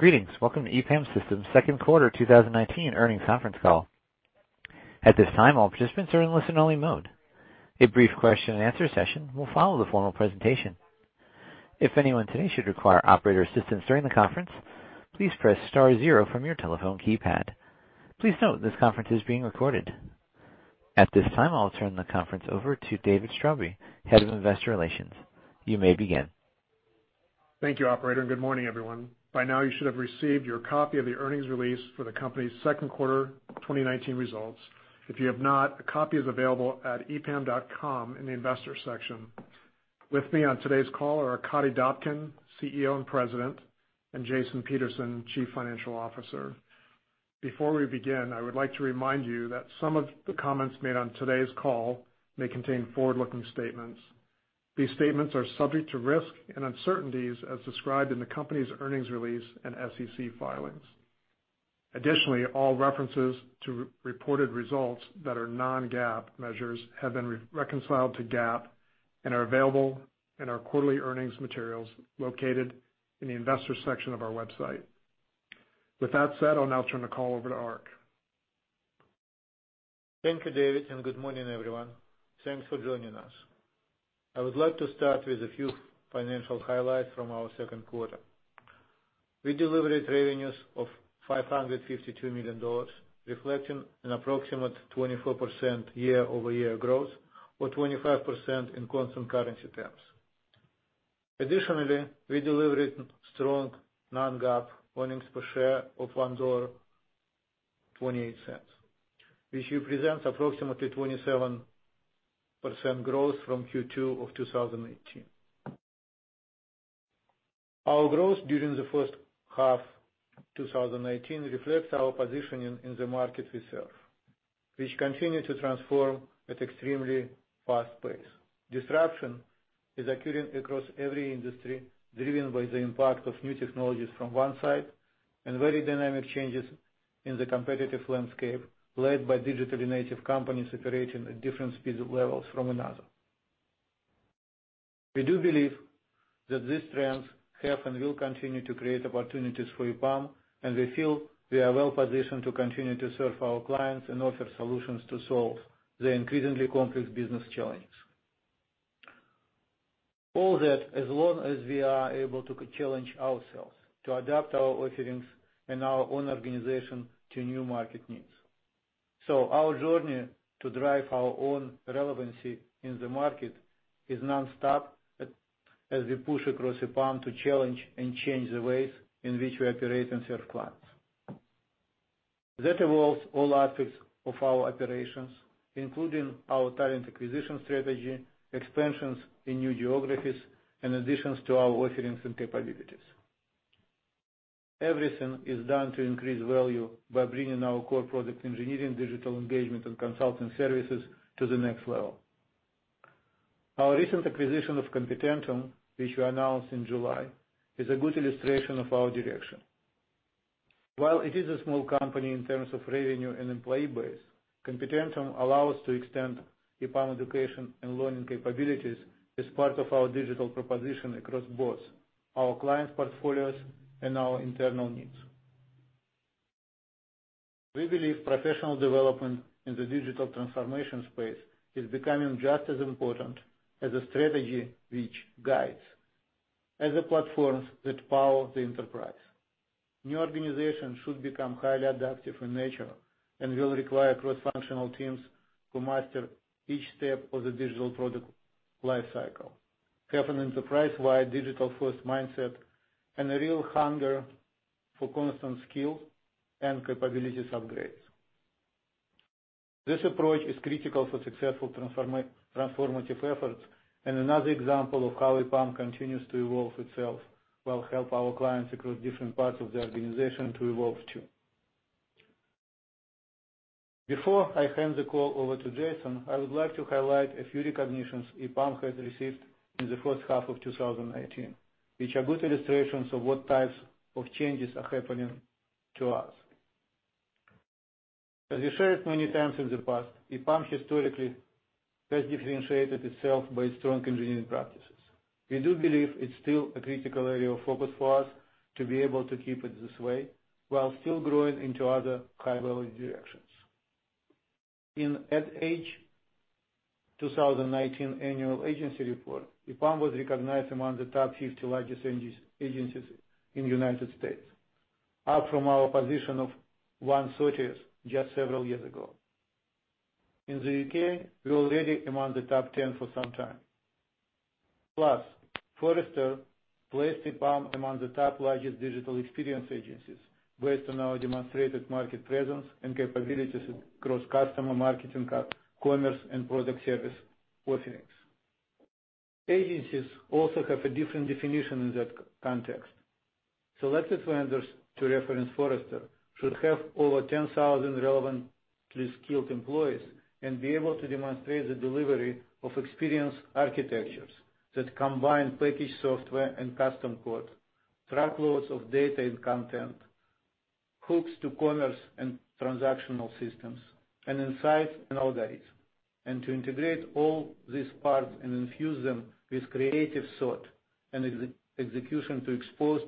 Greetings. Welcome to EPAM Systems' second quarter 2019 earnings conference call. At this time, all participants are in listen-only mode. A brief question and answer session will follow the formal presentation. If anyone today should require operator assistance during the conference, please press star zero from your telephone keypad. Please note this conference is being recorded. At this time, I'll turn the conference over to David Straube, Head of Investor Relations. You may begin. Thank you, operator, and good morning, everyone. By now, you should have received your copy of the earnings release for the company's second quarter 2019 results. If you have not, a copy is available at epam.com in the Investors section. With me on today's call are Arkadiy Dobkin, CEO and President, and Jason Peterson, Chief Financial Officer. Before we begin, I would like to remind you that some of the comments made on today's call may contain forward-looking statements. These statements are subject to risks and uncertainties as described in the company's earnings release and SEC filings. Additionally, all references to reported results that are non-GAAP measures have been reconciled to GAAP and are available in our quarterly earnings materials located in the Investors section of our website. With that said, I'll now turn the call over to Ark. Thank you, David, and good morning, everyone. Thanks for joining us. I would like to start with a few financial highlights from our second quarter. We delivered revenues of $552 million, reflecting an approximate 24% year-over-year growth, or 25% in constant currency terms. Additionally, we delivered strong non-GAAP earnings per share of $1.28, which represents approximately 27% growth from Q2 of 2018. Our growth during the first half 2019 reflects our positioning in the market we serve, which continue to transform at extremely fast pace. Disruption is occurring across every industry, driven by the impact of new technologies from one side, and very dynamic changes in the competitive landscape led by digitally native companies operating at different speed levels from another. We do believe that these trends have and will continue to create opportunities for EPAM, and we feel we are well-positioned to continue to serve our clients and offer solutions to solve their increasingly complex business challenges. All that, as long as we are able to challenge ourselves to adapt our offerings and our own organization to new market needs. Our journey to drive our own relevancy in the market is nonstop as we push across EPAM to challenge and change the ways in which we operate and serve clients. That involves all aspects of our operations, including our talent acquisition strategy, expansions in new geographies, and additions to our offerings and capabilities. Everything is done to increase value by bringing our core product engineering, digital engagement, and consulting services to the next level. Our recent acquisition of Competentum, which we announced in July, is a good illustration of our direction. While it is a small company in terms of revenue and employee base, Competentum allow us to extend EPAM education and learning capabilities as part of our digital proposition across both our clients' portfolios and our internal needs. We believe professional development in the digital transformation space is becoming just as important as a strategy which guides, as the platforms that power the enterprise. New organizations should become highly adaptive in nature and will require cross-functional teams who master each step of the digital product lifecycle, have an enterprise-wide digital-first mindset, and a real hunger for constant skill and capabilities upgrades. This approach is critical for successful transformative efforts and another example of how EPAM continues to evolve itself, while help our clients across different parts of the organization to evolve, too. Before I hand the call over to Jason, I would like to highlight a few recognitions EPAM has received in the first half of 2018, which are good illustrations of what types of changes are happening to us. As we shared many times in the past, EPAM historically has differentiated itself by strong engineering practices. We do believe it's still a critical area of focus for us to be able to keep it this way while still growing into other high-value directions. In Ad Age 2019 Annual Agency Report, EPAM was recognized among the top 50 largest agencies in the United States, up from our position of 130th just several years ago. In the U.K., we're already among the top 10 for some time. Plus, Forrester placed EPAM among the top largest digital experience agencies based on our demonstrated market presence and capabilities across customer marketing, commerce, and product service offerings. Agencies also have a different definition in that context. Selected vendors, to reference Forrester, should have over 10,000 relevantly skilled employees and be able to demonstrate the delivery of experience architectures that combine packaged software and custom code, truckloads of data and content-hooks to commerce and transactional systems, and insights and algorithms. To integrate all these parts and infuse them with creative thought and execution to expose,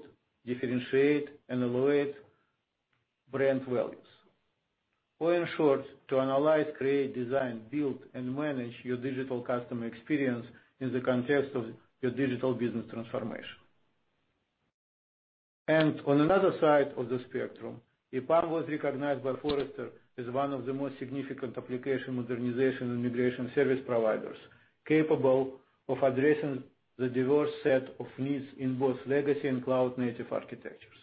differentiate, and elevate brand values. In short, to analyze, create, design, build, and manage your digital customer experience in the context of your digital business transformation. On another side of the spectrum, EPAM was recognized by Forrester as one of the most significant application modernization and migration service providers capable of addressing the diverse set of needs in both legacy and cloud-native architectures.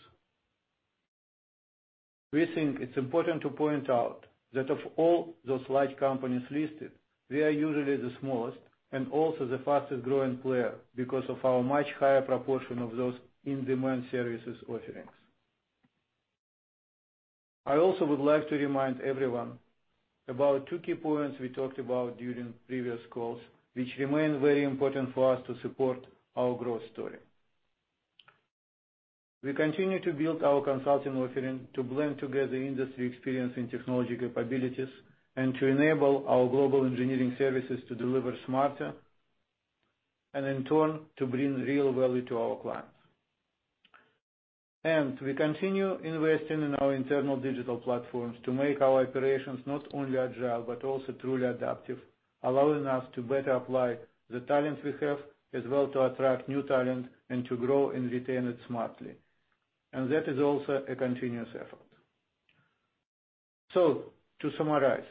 We think it's important to point out that of all those large companies listed, we are usually the smallest and also the fastest-growing player because of our much higher proportion of those in-demand services offerings. I also would like to remind everyone about two key points we talked about during previous calls, which remain very important for us to support our growth story. We continue to build our consulting offering to blend together industry experience and technology capabilities, and to enable our global engineering services to deliver smarter, and in turn, to bring real value to our clients. We continue investing in our internal digital platforms to make our operations not only agile but also truly adaptive, allowing us to better apply the talent we have, as well to attract new talent and to grow and retain it smartly. That is also a continuous effort. To summarize,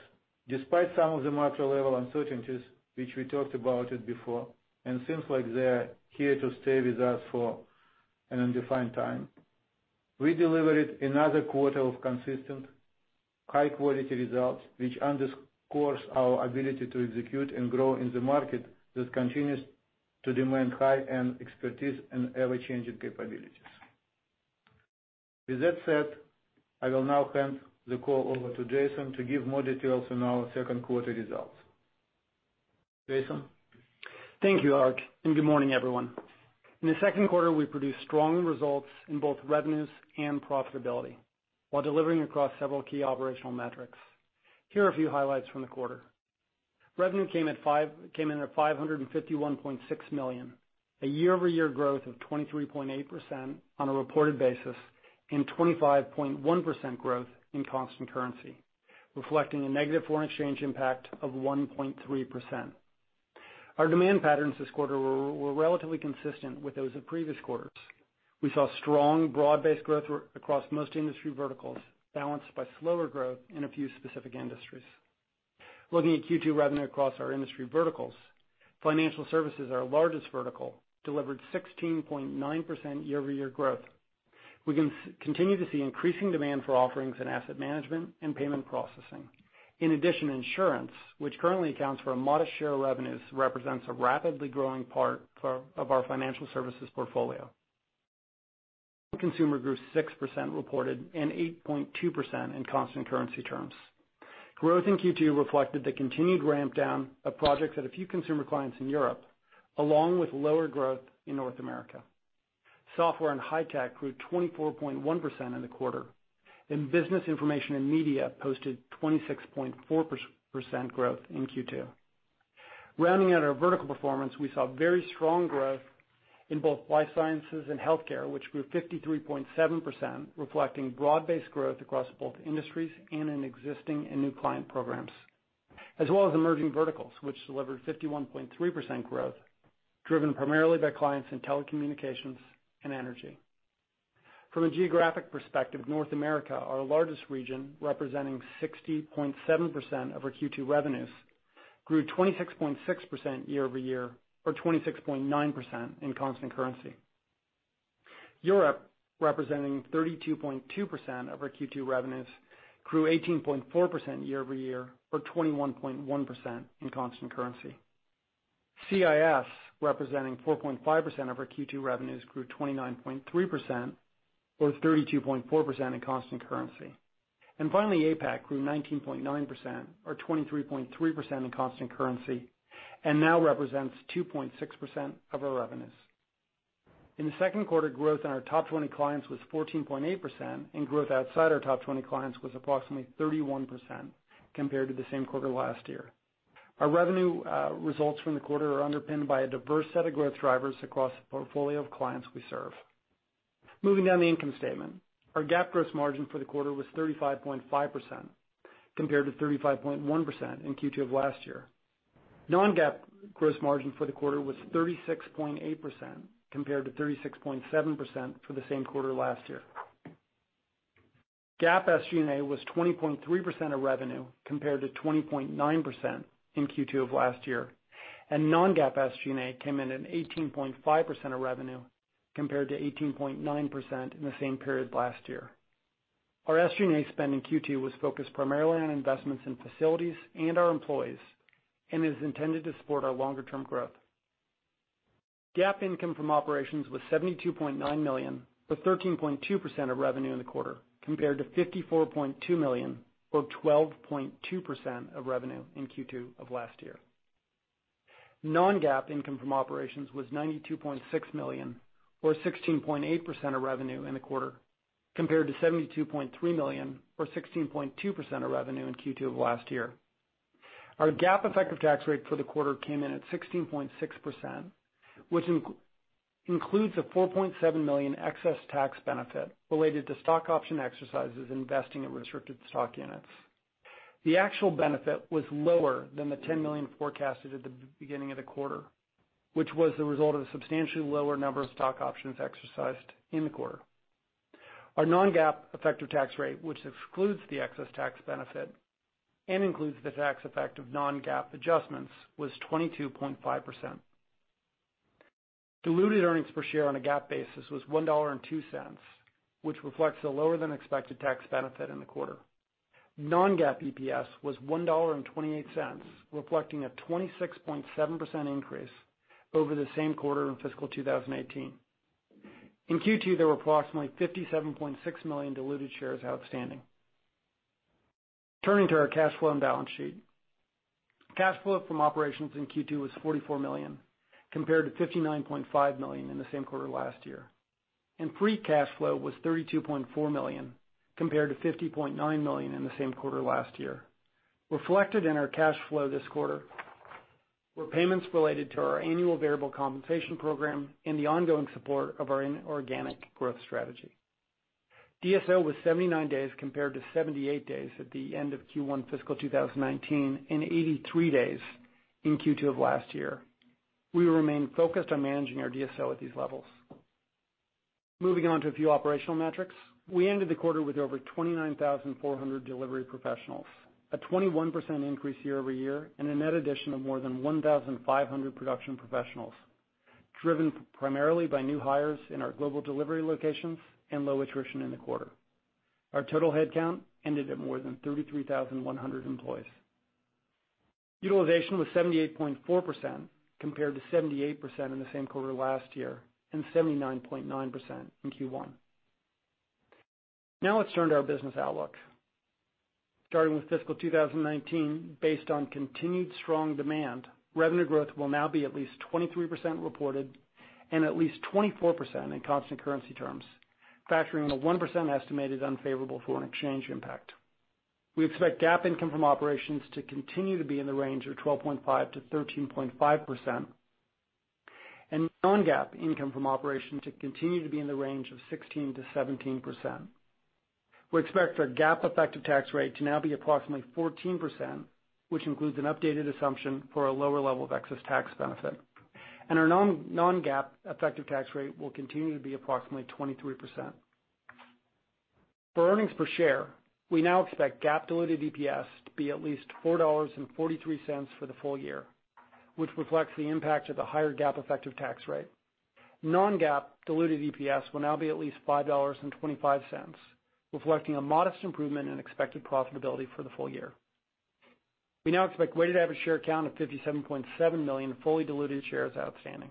despite some of the macro-level uncertainties, which we talked about it before, and seems like they are here to stay with us for an undefined time, we delivered another quarter of consistent, high-quality results, which underscores our ability to execute and grow in the market that continues to demand high-end expertise and ever-changing capabilities. With that said, I will now hand the call over to Jason to give more details on our second quarter results. Jason? Thank you, Ark. Good morning, everyone. In the second quarter, we produced strong results in both revenues and profitability while delivering across several key operational metrics. Here are a few highlights from the quarter. Revenue came in at $551.6 million, a year-over-year growth of 23.8% on a reported basis, and 25.1% growth in constant currency, reflecting a negative foreign exchange impact of 1.3%. Our demand patterns this quarter were relatively consistent with those of previous quarters. We saw strong, broad-based growth across most industry verticals, balanced by slower growth in a few specific industries. Looking at Q2 revenue across our industry verticals, financial services, our largest vertical, delivered 16.9% year-over-year growth. We continue to see increasing demand for offerings in asset management and payment processing. In addition, insurance, which currently accounts for a modest share of revenues, represents a rapidly growing part of our financial services portfolio. Consumer grew 6% reported and 8.2% in constant currency terms. Growth in Q2 reflected the continued ramp-down of projects at a few consumer clients in Europe, along with lower growth in North America. Software and high tech grew 24.1% in the quarter, and business information and media posted 26.4% growth in Q2. Rounding out our vertical performance, we saw very strong growth in both life sciences and healthcare, which grew 53.7%, reflecting broad-based growth across both industries and in existing and new client programs, as well as emerging verticals, which delivered 51.3% growth, driven primarily by clients in telecommunications and energy. From a geographic perspective, North America, our largest region, representing 60.7% of our Q2 revenues, grew 26.6% year-over-year, or 26.9% in constant currency. Europe, representing 32.2% of our Q2 revenues, grew 18.4% year-over-year, or 21.1% in constant currency. CIS, representing 4.5% of our Q2 revenues, grew 29.3%, or 32.4% in constant currency. Finally, APAC grew 19.9%, or 23.3% in constant currency, and now represents 2.6% of our revenues. In the second quarter, growth in our top 20 clients was 14.8%, and growth outside our top 20 clients was approximately 31% compared to the same quarter last year. Our revenue results from the quarter are underpinned by a diverse set of growth drivers across the portfolio of clients we serve. Moving down the income statement. Our GAAP gross margin for the quarter was 35.5% compared to 35.1% in Q2 of last year. Non-GAAP gross margin for the quarter was 36.8% compared to 36.7% for the same quarter last year. GAAP SG&A was 20.3% of revenue, compared to 20.9% in Q2 of last year. Non-GAAP SG&A came in at 18.5% of revenue, compared to 18.9% in the same period last year. Our SG&A spend in Q2 was focused primarily on investments in facilities and our employees and is intended to support our longer-term growth. GAAP income from operations was $72.9 million, or 13.2% of revenue in the quarter, compared to $54.2 million, or 12.2% of revenue in Q2 of last year. Non-GAAP income from operations was $92.6 million, or 16.8% of revenue in the quarter, compared to $72.3 million, or 16.2% of revenue in Q2 of last year. Our GAAP effective tax rate for the quarter came in at 16.6%, which includes a $4.7 million excess tax benefit related to stock option exercises and vesting of restricted stock units. The actual benefit was lower than the $10 million forecasted at the beginning of the quarter, which was the result of a substantially lower number of stock options exercised in the quarter. Our non-GAAP effective tax rate, which excludes the excess tax benefit and includes the tax effect of non-GAAP adjustments, was 22.5%. Diluted earnings per share on a GAAP basis was $1.02, which reflects a lower than expected tax benefit in the quarter. Non-GAAP EPS was $1.28, reflecting a 26.7% increase over the same quarter in fiscal 2018. In Q2, there were approximately 57.6 million diluted shares outstanding. Turning to our cash flow and balance sheet. Cash flow from operations in Q2 was $44 million, compared to $59.5 million in the same quarter last year, and free cash flow was $32.4 million, compared to $50.9 million in the same quarter last year. Reflected in our cash flow this quarter were payments related to our annual variable compensation program and the ongoing support of our inorganic growth strategy. DSO was 79 days compared to 78 days at the end of Q1 fiscal 2019 and 83 days in Q2 of last year. We remain focused on managing our DSO at these levels. Moving on to a few operational metrics. We ended the quarter with over 29,400 delivery professionals, a 21% increase year-over-year, and a net addition of more than 1,500 production professionals, driven primarily by new hires in our global delivery locations and low attrition in the quarter. Our total headcount ended at more than 33,100 employees. Utilization was 78.4%, compared to 78% in the same quarter last year and 79.9% in Q1. Now let's turn to our business outlook. Starting with fiscal 2019, based on continued strong demand, revenue growth will now be at least 23% reported and at least 24% in constant currency terms, factoring on a 1% estimated unfavorable foreign exchange impact. We expect GAAP income from operations to continue to be in the range of 12.5%-13.5% and non-GAAP income from operations to continue to be in the range of 16%-17%. We expect our GAAP effective tax rate to now be approximately 14%, which includes an updated assumption for a lower level of excess tax benefit. Our non-GAAP effective tax rate will continue to be approximately 23%. For earnings per share, we now expect GAAP diluted EPS to be at least $4.43 for the full year, which reflects the impact of the higher GAAP effective tax rate. Non-GAAP diluted EPS will now be at least $5.25, reflecting a modest improvement in expected profitability for the full year. We now expect weighted average share count of 57.7 million fully diluted shares outstanding.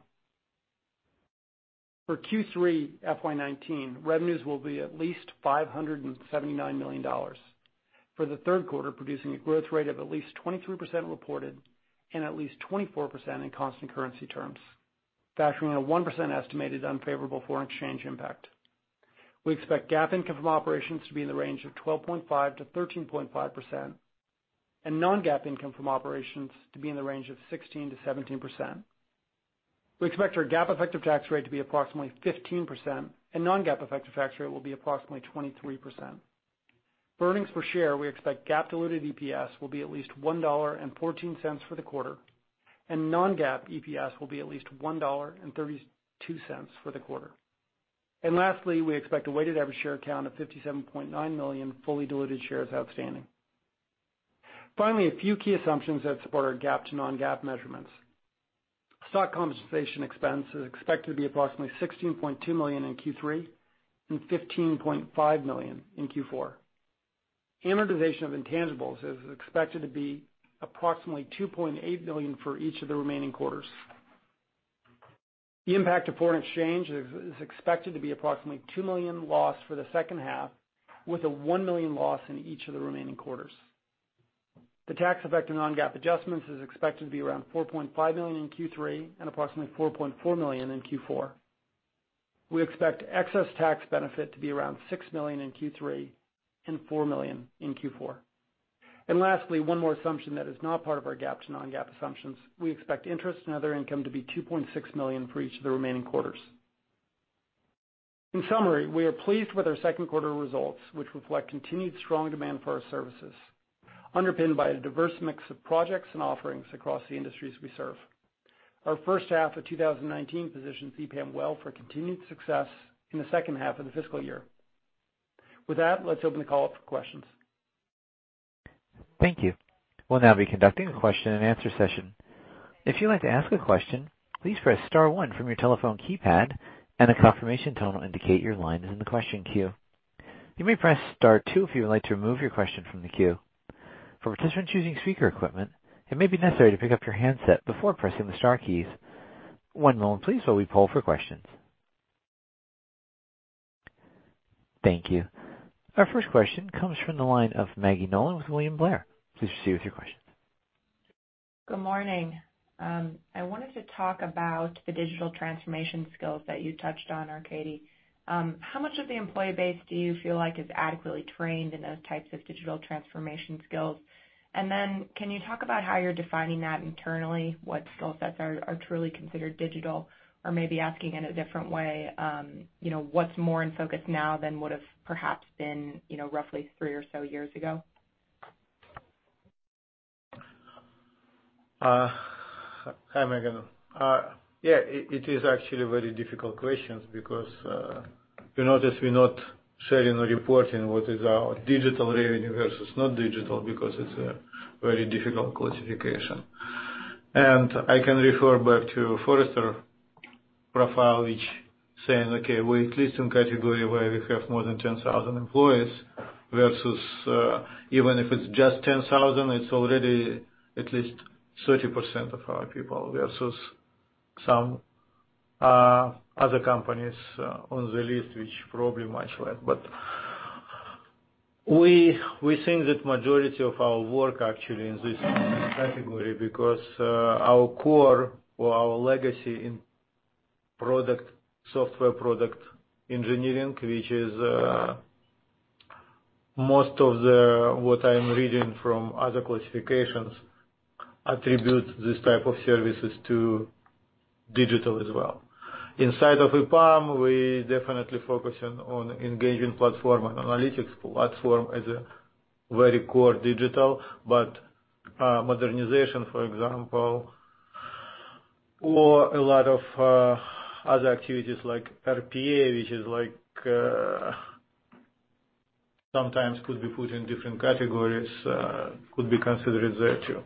For Q3 FY 2019, revenues will be at least $579 million for the third quarter, producing a growth rate of at least 23% reported and at least 24% in constant currency terms, factoring on a 1% estimated unfavorable foreign exchange impact. We expect GAAP income from operations to be in the range of 12.5%-13.5% and non-GAAP income from operations to be in the range of 16%-17%. We expect our GAAP effective tax rate to be approximately 15%, and non-GAAP effective tax rate will be approximately 23%. For earnings per share, we expect GAAP diluted EPS will be at least $1.14 for the quarter, and non-GAAP EPS will be at least $1.32 for the quarter. Lastly, we expect a weighted average share count of 57.9 million fully diluted shares outstanding. A few key assumptions that support our GAAP to non-GAAP measurements. Stock compensation expense is expected to be approximately $16.2 million in Q3 and $15.5 million in Q4. Amortization of intangibles is expected to be approximately $2.8 million for each of the remaining quarters. The impact of foreign exchange is expected to be approximately $2 million loss for the second half, with a $1 million loss in each of the remaining quarters. The tax effect in non-GAAP adjustments is expected to be around $4.5 million in Q3 and approximately $4.4 million in Q4. We expect excess tax benefit to be around $6 million in Q3 and $4 million in Q4. Lastly, one more assumption that is not part of our GAAP to non-GAAP assumptions, we expect interest in other income to be $2.6 million for each of the remaining quarters. In summary, we are pleased with our second quarter results, which reflect continued strong demand for our services, underpinned by a diverse mix of projects and offerings across the industries we serve. Our first half of 2019 positions EPAM well for continued success in the second half of the fiscal year. With that, let's open the call up for questions. Thank you. We'll now be conducting a question and answer session. If you'd like to ask a question, please press star one from your telephone keypad, and a confirmation tone will indicate your line is in the question queue. You may press Star two if you would like to remove your question from the queue. For participants using speaker equipment, it may be necessary to pick up your handset before pressing the star keys. One moment please while we poll for questions. Thank you. Our first question comes from the line of Maggie Nolan with William Blair. Please proceed with your question. Good morning. I wanted to talk about the digital transformation skills that you touched on, Arkadiy. How much of the employee base do you feel like is adequately trained in those types of digital transformation skills? Can you talk about how you're defining that internally? What skill sets are truly considered digital? Maybe asking in a different way, what's more in focus now than would've perhaps been roughly three or so years ago? Hi, Maggie. It is actually a very difficult question because you notice we're not sharing or reporting what is our digital revenue versus not digital because it's a very difficult classification. I can refer back to Forrester profile, which saying, okay, we at least in category where we have more than 10,000 employees versus, even if it's just 10,000, it's already at least 30% of our people versus some other companies on the list, which probably much less. We think that majority of our work actually in this category because our core or our legacy in software product engineering, which is most of what I'm reading from other classifications, attribute this type of services to digital as well. Inside of EPAM, we definitely focusing on engaging platform and analytics platform as a very core digital. Modernization, for example, or a lot of other activities like RPA, which is like sometimes could be put in different categories, could be considered there too.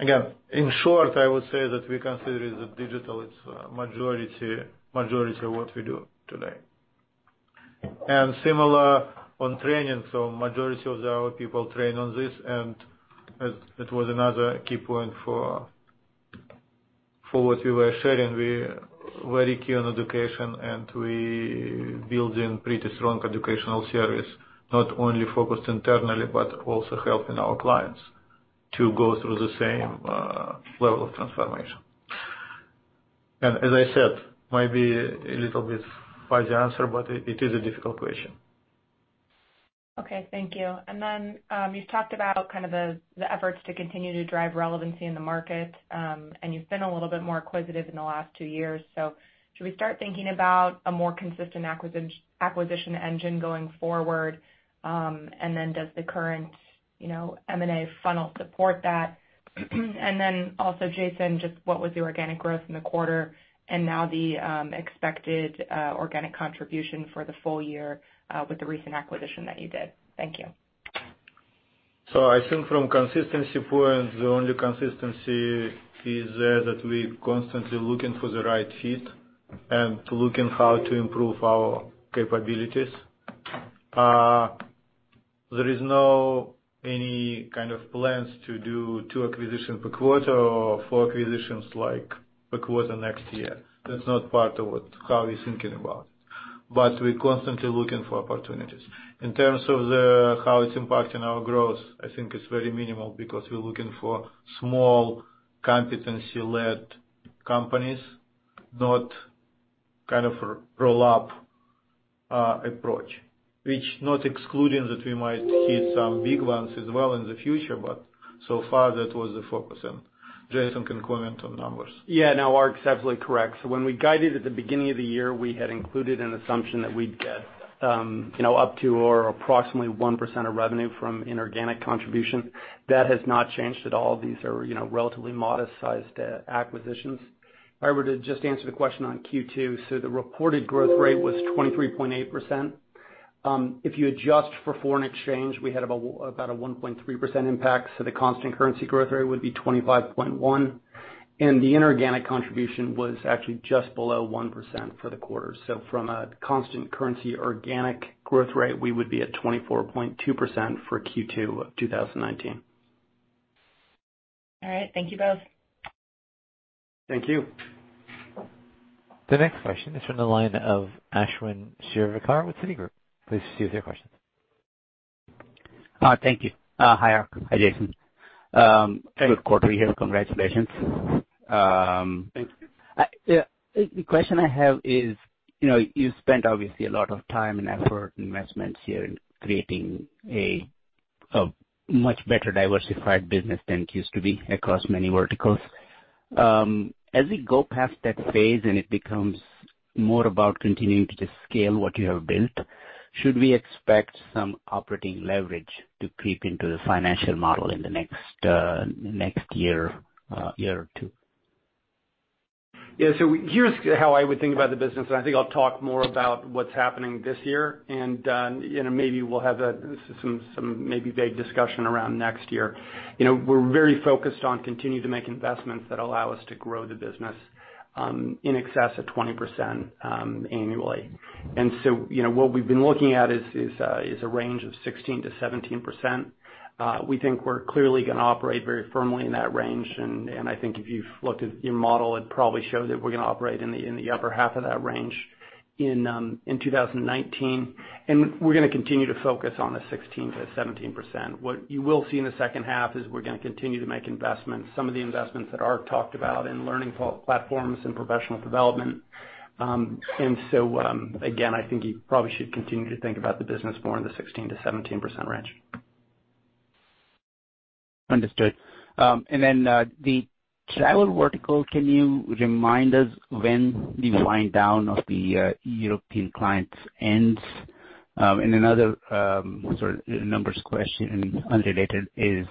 Again, in short, I would say that we consider the digital, it's a majority of what we do today. Similar on training, majority of our people train on this, and it was another key point for what we were sharing. We very key on education, and we building pretty strong educational service, not only focused internally, but also helping our clients to go through the same level of transformation. As I said, might be a little bit fuzzy answer, but it is a difficult question. Okay, thank you. You've talked about the efforts to continue to drive relevancy in the market, and you've been a little bit more acquisitive in the last two years. Should we start thinking about a more consistent acquisition engine going forward? Does the current M&A funnel support that? Jason, just what was the organic growth in the quarter, and now the expected organic contribution for the full year with the recent acquisition that you did? Thank you. I think from consistency point, the only consistency is that we constantly looking for the right fit and looking how to improve our capabilities. There is no any kind of plans to do two acquisitions per quarter or four acquisitions per quarter next year. That's not part of how we're thinking about it. We're constantly looking for opportunities. In terms of how it's impacting our growth, I think it's very minimal because we're looking for small competency-led companies, not roll-up approach. Which not excluding that we might hit some big ones as well in the future, but so far that was the focus. Jason can comment on numbers. Yeah. No, Ark's absolutely correct. When we guided at the beginning of the year, we had included an assumption that we'd get up to, or approximately 1% of revenue from inorganic contribution. That has not changed at all. These are relatively modest-sized acquisitions. If I were to just answer the question on Q2, so the reported growth rate was 23.8%. If you adjust for foreign exchange, we had about a 1.3% impact, so the constant currency growth rate would be 25.1%. The inorganic contribution was actually just below 1% for the quarter. From a constant currency organic growth rate, we would be at 24.2% for Q2 of 2019. All right. Thank you both. Thank you. The next question is from the line of Ashwin Shirvaikar with Citigroup. Please proceed with your question. Thank you. Hi, Ark. Hi, Jason. Hey. Good quarterly here. Congratulations. Thank you. The question I have is, you've spent obviously a lot of time and effort, investments here in creating a much better diversified business than it used to be across many verticals. As we go past that phase and it becomes more about continuing to just scale what you have built, should we expect some operating leverage to creep into the financial model in the next year or two? Yeah. Here's how I would think about the business, and I think I'll talk more about what's happening this year. Maybe we'll have some maybe vague discussion around next year. We're very focused on continuing to make investments that allow us to grow the business in excess of 20% annually. What we've been looking at is a range of 16%-17%. We think we're clearly going to operate very firmly in that range, and I think if you've looked at your model, it probably showed that we're going to operate in the upper half of that range. In 2019, we're going to continue to focus on the 16%-17%. What you will see in the second half is we're going to continue to make investments, some of the investments that Ark talked about in learning platforms and professional development. Again, I think you probably should continue to think about the business more in the 16%-17% range. Understood. The travel vertical, can you remind us when the wind down of the European clients ends? Another sort of numbers question, unrelated is,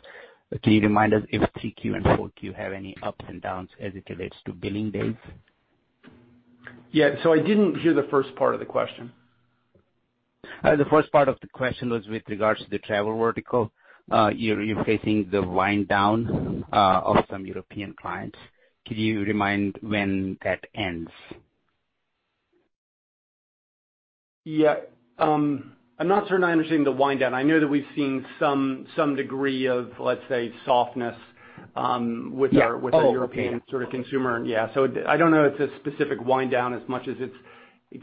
can you remind us if 3Q and 4Q have any ups and downs as it relates to billing days? Yeah. I didn't hear the first part of the question. The first part of the question was with regards to the travel vertical. You're facing the wind down of some European clients. Can you remind when that ends? Yeah. I'm not certain I understand the wind down. I know that we've seen some degree of, let's say, softness. Yeah. All of European with the European consumer. Yeah. I don't know it's a specific wind down as much as it's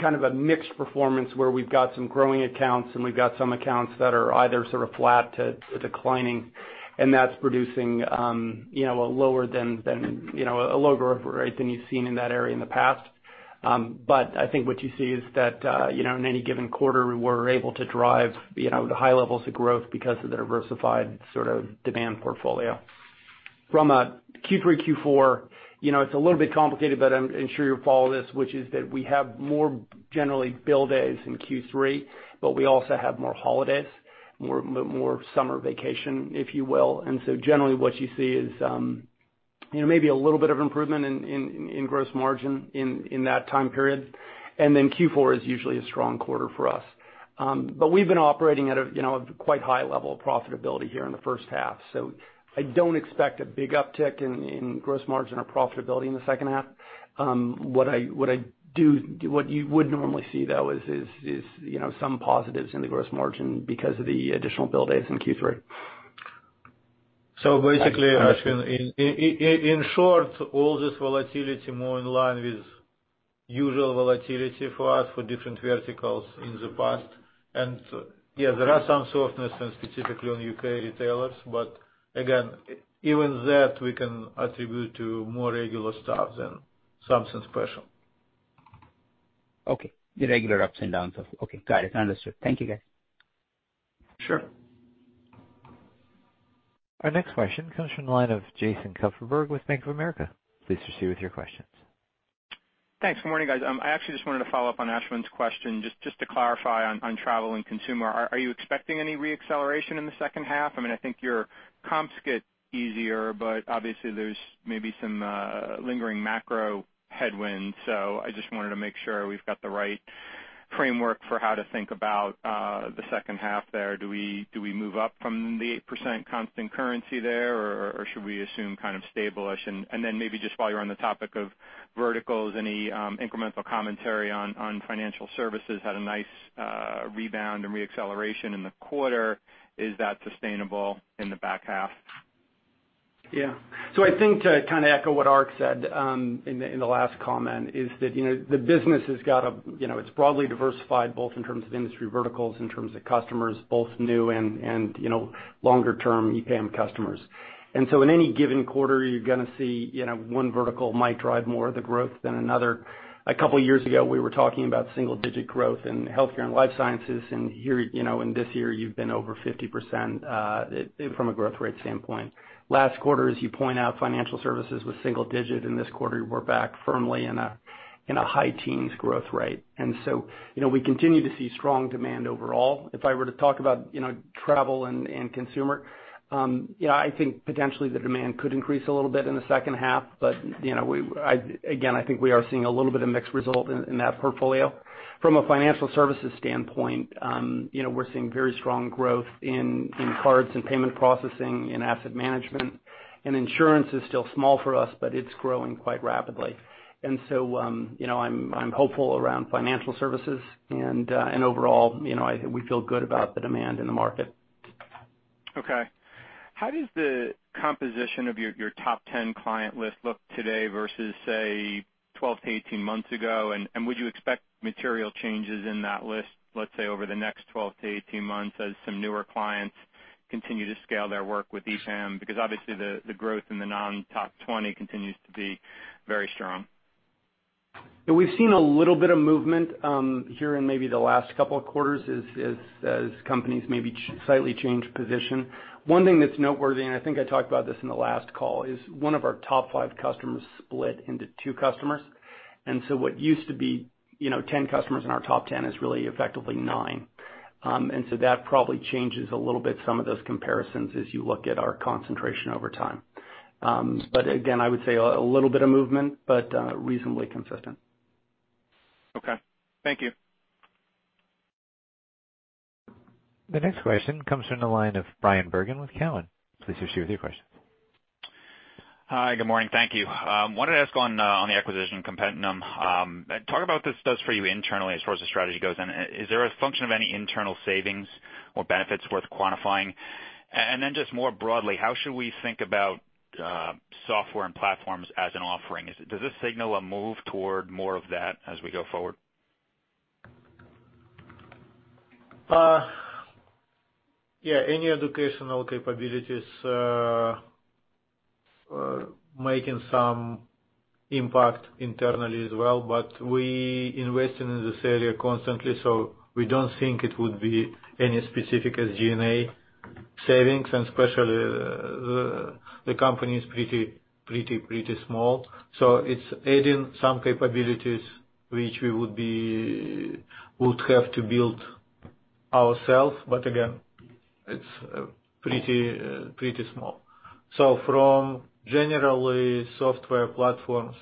kind of a mixed performance where we've got some growing accounts and we've got some accounts that are either sort of flat to declining, and that's producing a lower growth rate than you've seen in that area in the past. I think what you see is that, in any given quarter, we're able to drive the high levels of growth because of the diversified sort of demand portfolio. From a Q3, Q4, it's a little bit complicated, but I'm sure you'll follow this, which is that we have more generally bill days in Q3, but we also have more holidays, more summer vacation, if you will. generally what you see is maybe a little bit of improvement in gross margin in that time period. Q4 is usually a strong quarter for us. We've been operating at a quite high level of profitability here in the first half. I don't expect a big uptick in gross margin or profitability in the second half. What you would normally see, though, is some positives in the gross margin because of the additional bill days in Q3. Basically, Ashwin, in short, all this volatility more in line with usual volatility for us for different verticals in the past. Yeah, there are some softness and specifically on U.K. retailers, but again, even that we can attribute to more regular stuff than something special. Okay. Okay, got it. Understood. Thank you, guys. Sure. Our next question comes from the line of Jason Kupferberg with Bank of America. Please proceed with your questions. Thanks. Good morning, guys. I actually just wanted to follow up on Ashwin's question, just to clarify on travel and consumer. Are you expecting any re-acceleration in the second half? I think your comps get easier, but obviously there's maybe some lingering macro headwinds. I just wanted to make sure we've got the right framework for how to think about the second half there. Do we move up from the 8% constant currency there, or should we assume kind of stable-ish? Then maybe just while you're on the topic of verticals, any incremental commentary on financial services, had a nice rebound and re-acceleration in the quarter. Is that sustainable in the back half? Yeah. I think to echo what Ark said in the last comment is that the business, it's broadly diversified, both in terms of industry verticals, in terms of customers, both new and longer-term EPAM customers. In any given quarter, you're going to see one vertical might drive more of the growth than another. A couple of years ago, we were talking about single-digit growth in healthcare and life sciences. Here in this year you've been over 50% from a growth rate standpoint. Last quarter, as you point out, financial services was single-digit. In this quarter, we're back firmly in a high teens growth rate. We continue to see strong demand overall. If I were to talk about travel and consumer, I think potentially the demand could increase a little bit in the second half. Again, I think we are seeing a little bit of mixed result in that portfolio. From a financial services standpoint, we're seeing very strong growth in cards and payment processing and asset management, and insurance is still small for us, but it's growing quite rapidly. I'm hopeful around financial services and overall, we feel good about the demand in the market. Okay. How does the composition of your top 10 client list look today versus, say, 12 to 18 months ago? Would you expect material changes in that list, let's say, over the next 12 to 18 months as some newer clients continue to scale their work with EPAM? Obviously the growth in the non-top 20 continues to be very strong. We've seen a little bit of movement here in maybe the last couple of quarters as companies maybe slightly change position. One thing that's noteworthy, and I think I talked about this in the last call, is one of our top five customers split into two customers. What used to be 10 customers in our top 10 is really effectively nine. That probably changes a little bit some of those comparisons as you look at our concentration over time. Again, I would say a little bit of movement but reasonably consistent. Okay. Thank you. The next question comes from the line of Bryan Bergin with Cowen. Please proceed with your question. Hi. Good morning. Thank you. I wanted to ask on the acquisition, Competentum. Talk about what this does for you internally as far as the strategy goes in. Is there a function of any internal savings or benefits worth quantifying? Then just more broadly, how should we think about software and platforms as an offering? Does this signal a move toward more of that as we go forward? Any educational capabilities are making some impact internally as well, but we investing in this area constantly, we don't think it would be any specific as G&A savings, and especially the company is pretty small. It's adding some capabilities which we would have to build ourselves. Again, it's pretty small. From generally software platforms,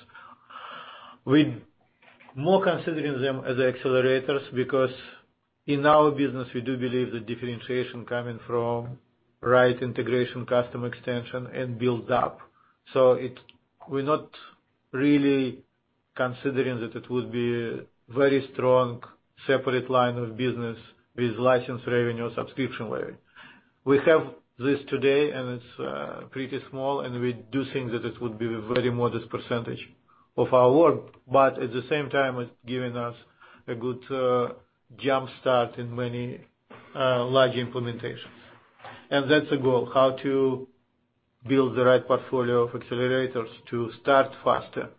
we more considering them as accelerators, because in our business, we do believe the differentiation coming from right integration, custom extension, and build up. We're not really considering that it would be very strong separate line of business with license revenue or subscription revenue. We have this today, and it's pretty small, and we do think that it would be very modest percentage of our work. At the same time, it's giving us a good jump start in many large implementations. That's the goal, how to build the right portfolio of accelerators to start faster.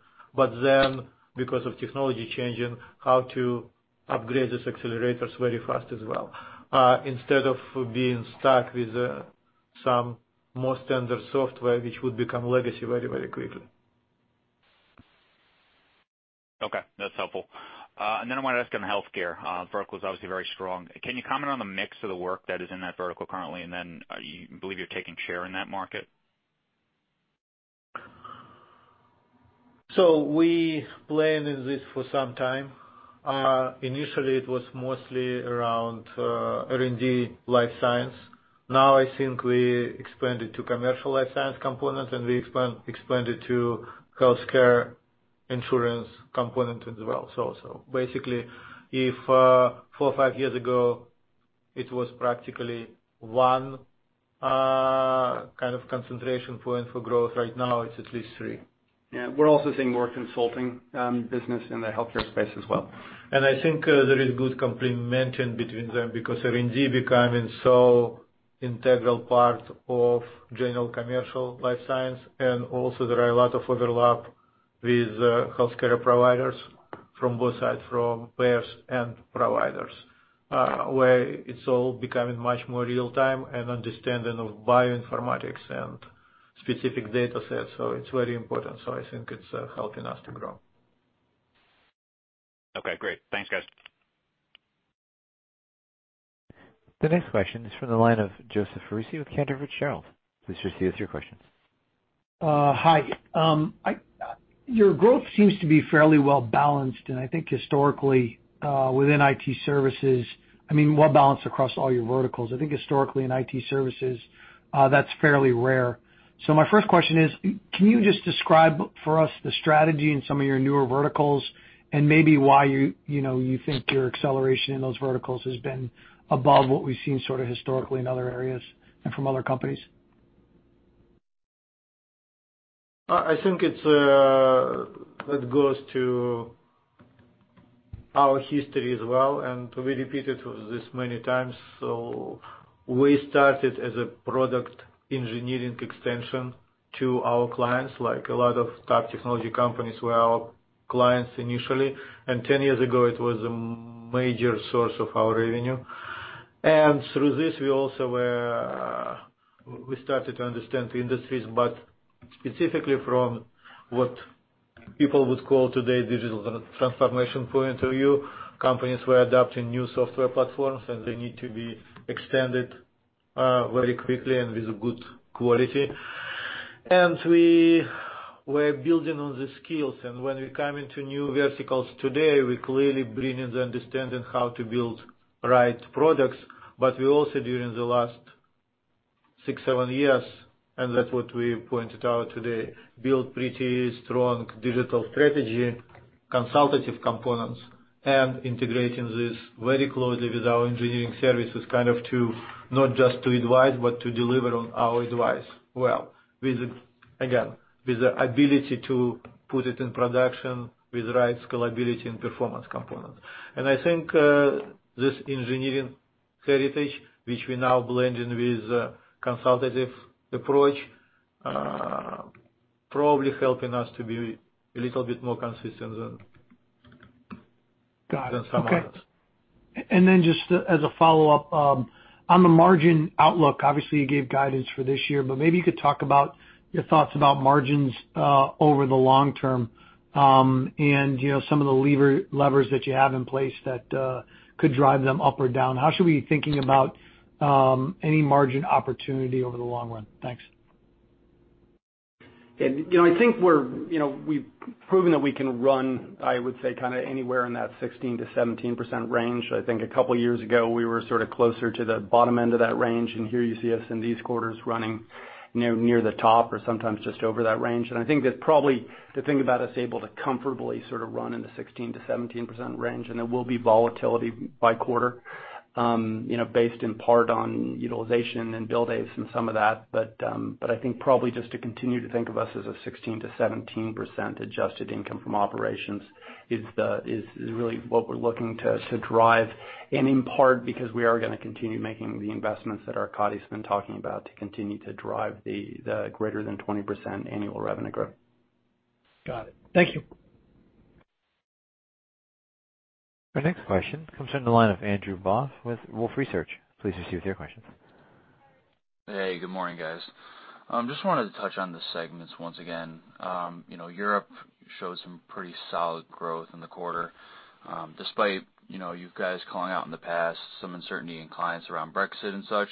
Because of technology changing, how to upgrade these accelerators very fast as well, instead of being stuck with some more standard software which would become legacy very quickly. Okay, that's helpful. I want to ask on healthcare. Vertical is obviously very strong. Can you comment on the mix of the work that is in that vertical currently, and then you believe you're taking share in that market? We playing in this for some time. Initially, it was mostly around R&D life science. Now I think we expand it to commercial life science component, and we expand it to healthcare insurance component as well. Basically, if four or five years ago it was practically one kind of concentration point for growth, right now it's at least three. Yeah, we're also seeing more consulting business in the healthcare space as well. I think there is good complementation between them because R&D becoming so integral part of general commercial life science, and also there are a lot of overlap with healthcare providers from both sides, from payers and providers, where it's all becoming much more real time and understanding of bioinformatics and specific datasets. It's very important. I think it's helping us to grow. Okay, great. Thanks, guys. The next question is from the line of Joseph Foresi with Cantor Fitzgerald. Please proceed with your question. Hi. Your growth seems to be fairly well-balanced, and I think historically within IT services, I mean, well-balanced across all your verticals. I think historically in IT services, that's fairly rare. My first question is, can you just describe for us the strategy in some of your newer verticals and maybe why you think your acceleration in those verticals has been above what we've seen sort of historically in other areas and from other companies? I think it goes to our history as well, and we repeated this many times. We started as a product engineering extension to our clients, like a lot of top technology companies were our clients initially. 10 years ago, it was a major source of our revenue. Through this, we started to understand the industries, but specifically from what people would call today digital transformation point of view. Companies were adopting new software platforms, and they need to be extended very quickly and with good quality. We were building on the skills. When we come into new verticals today, we clearly bring in the understanding how to build right products. We also, during the last six, seven years, and that's what we pointed out today, build pretty strong digital strategy, consultative components, and integrating this very closely with our engineering services, kind of to not just to advise, but to deliver on our advice well, with, again, with the ability to put it in production, with right scalability and performance components. I think this engineering heritage, which we now blending with consultative approach probably helping us to be a little bit more consistent than. Got it. Okay some others. Just as a follow-up, on the margin outlook, obviously you gave guidance for this year, maybe you could talk about your thoughts about margins over the long term. Some of the levers that you have in place that could drive them up or down. How should we be thinking about any margin opportunity over the long run? Thanks. I think we've proven that we can run, I would say anywhere in that 16%-17% range. I think a couple of years ago, we were sort of closer to the bottom end of that range. Here you see us in these quarters running near the top or sometimes just over that range. I think that probably to think about us able to comfortably sort of run in the 16%-17% range. There will be volatility by quarter based in part on utilization and bill days and some of that. I think probably just to continue to think of us as a 16%-17% adjusted income from operations is really what we're looking to drive. In part because we are going to continue making the investments that Arkadiy's been talking about to continue to drive the greater than 20% annual revenue growth. Got it. Thank you. Our next question comes from the line of Andrew Voth with Wolfe Research. Please proceed with your questions. Hey, good morning, guys. Just wanted to touch on the segments once again. Europe showed some pretty solid growth in the quarter, despite you guys calling out in the past some uncertainty in clients around Brexit and such.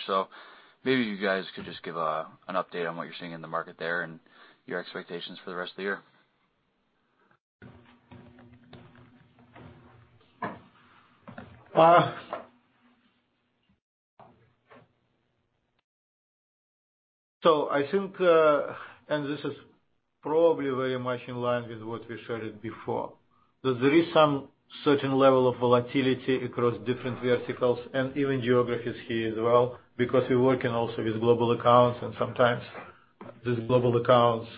Maybe you guys could just give an update on what you're seeing in the market there and your expectations for the rest of the year. I think, and this is probably very much in line with what we shared before, that there is some certain level of volatility across different verticals and even geographies here as well because we're working also with global accounts, and sometimes these global accounts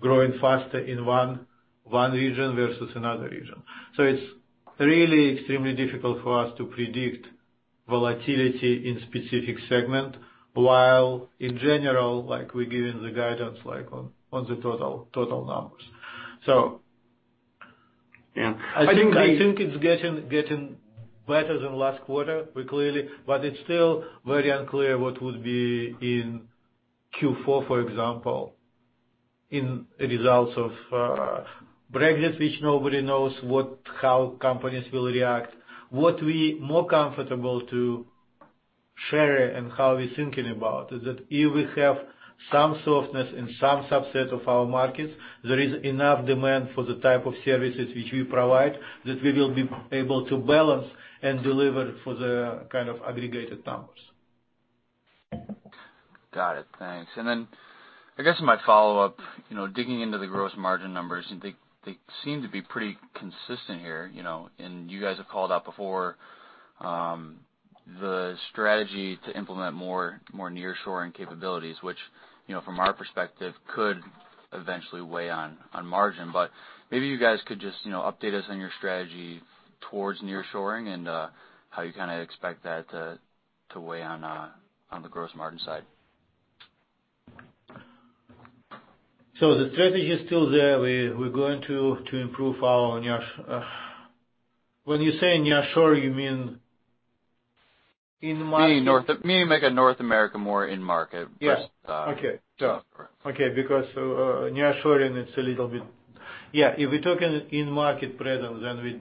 growing faster in one region versus another region. It's really extremely difficult for us to predict volatility in specific segment, while in general, like we're giving the guidance on the total numbers. Yeah. I think it's getting better than last quarter, clearly. It's still very unclear what would be in Q4, for example, in the results of Brexit, which nobody knows how companies will react. What we more comfortable to share and how we thinking about is that if we have some softness in some subset of our markets, there is enough demand for the type of services which we provide that we will be able to balance and deliver for the kind of aggregated numbers. Got it. Thanks. Then I guess my follow-up, digging into the gross margin numbers, they seem to be pretty consistent here. You guys have called out before, the strategy to implement more nearshoring capabilities, which from our perspective could eventually weigh on margin. Maybe you guys could just update us on your strategy towards nearshoring and how you kind of expect that to weigh on the gross margin side. The strategy is still there. When you say nearshoring, you mean in market? Meaning make North America more in market. Yes. Okay. Yeah. Okay, because nearshoring, it's a little bit Yeah, if we're talking in-market presence, then we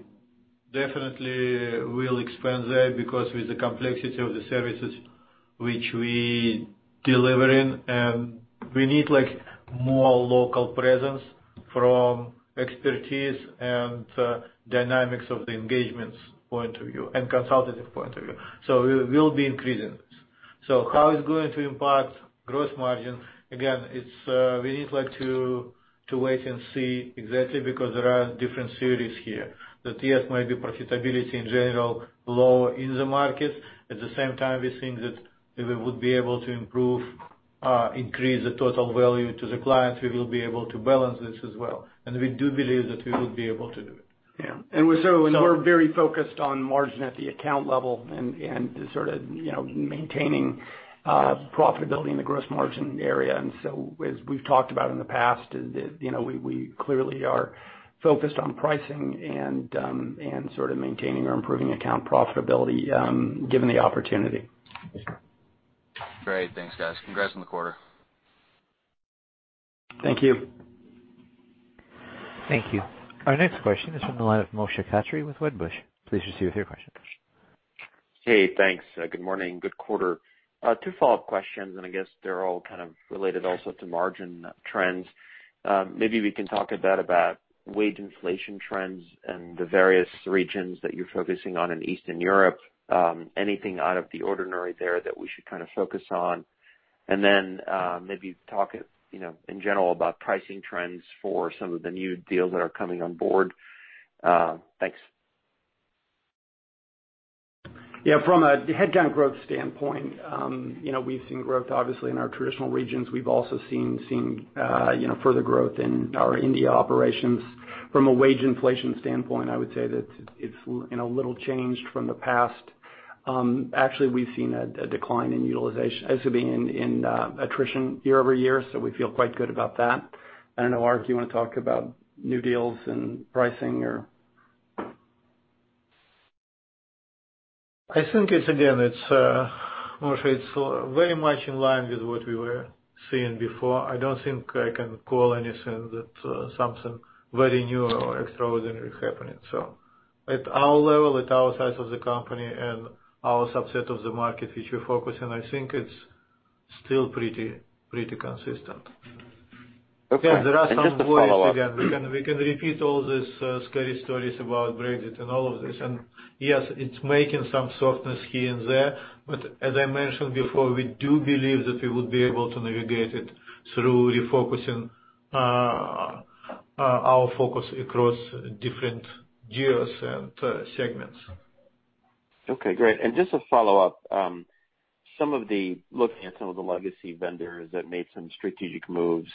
definitely will expand that because with the complexity of the services which we delivering, we need more local presence from expertise and dynamics of the engagements point of view and consultative point of view. We will be increasing this. How it's going to impact gross margin? Again, we need to wait and see exactly because there are different theories here that, yes, maybe profitability in general lower in the market. At the same time, we think that if we would be able to increase the total value to the clients, we will be able to balance this as well. We do believe that we would be able to do it. Yeah. We're very focused on margin at the account level and sort of maintaining profitability in the gross margin area. As we've talked about in the past, we clearly are focused on pricing and sort of maintaining or improving account profitability given the opportunity. Great. Thanks, guys. Congrats on the quarter. Thank you. Thank you. Our next question is from the line of Moshe Katri with Wedbush. Please proceed with your question. Hey, thanks. Good morning. Good quarter. Two follow-up questions, and I guess they're all kind of related also to margin trends. Maybe we can talk a bit about wage inflation trends and the various regions that you're focusing on in Eastern Europe. Anything out of the ordinary there that we should kind of focus on? Then maybe talk in general about pricing trends for some of the new deals that are coming on board. Thanks. Yeah. From a headcount growth standpoint, we've seen growth obviously in our traditional regions. We've also seen further growth in our India operations. From a wage inflation standpoint, I would say that it's a little changed from the past. Actually, we've seen a decline in attrition year-over-year, so we feel quite good about that. I don't know, Ark, you want to talk about new deals and pricing or? I think it's, again, Moshe, it's very much in line with what we were seeing before. I don't think I can call anything that something very new or extraordinary happening. At our level, at our size of the company, and our subset of the market which we're focusing, I think it's still pretty consistent. Okay. There are some voices again. We can repeat all these scary stories about Brexit and all of this. Yes, it's making some softness here and there, but as I mentioned before, we do believe that we would be able to navigate it through refocusing our focus across different geos and segments. Okay, great. Just to follow up, looking at some of the legacy vendors that made some strategic moves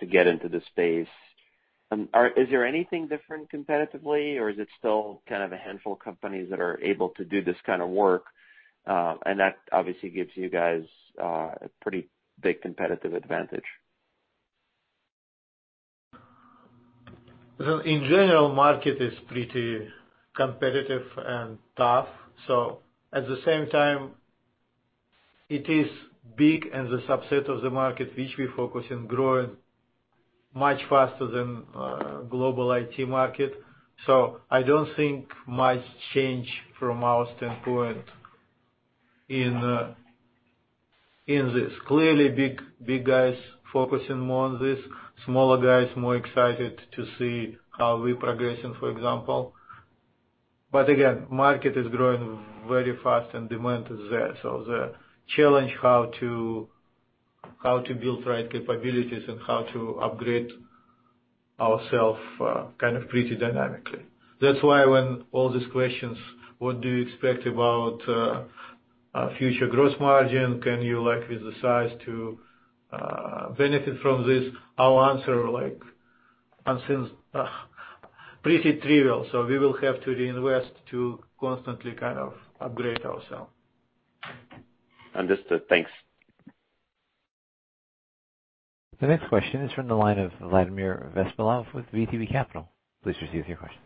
to get into this space, is there anything different competitively, or is it still kind of a handful of companies that are able to do this kind of work, and that obviously gives you guys a pretty big competitive advantage? Well, in general, market is pretty competitive and tough. At the same time, it is big and the subset of the market which we focus in growing much faster than global IT market. I don't think much change from our standpoint in this. Clearly, big guys focusing more on this. Smaller guys, more excited to see how we're progressing, for example. Again, market is growing very fast and demand is there. The challenge, how to build right capabilities and how to upgrade ourselves kind of pretty dynamically. That's why when all these questions, what do you expect about our future gross margin? Can you like with the size to benefit from this? Our answer like, and since pretty trivial, so we will have to reinvest to constantly upgrade ourselves. Understood. Thanks. The next question is from the line of Vladimir Bespalov with VTB Capital. Please proceed with your question.